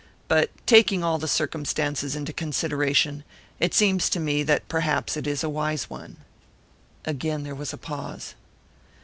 But taking all the circumstances into consideration, it seems to me that perhaps it is a wise one." Again there was a pause.